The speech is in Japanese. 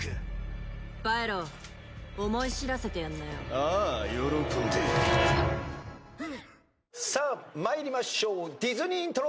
「ああ喜んで」さあ参りましょうディズニーイントロ。